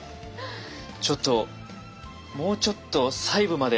ちょっともうちょっと細部まで。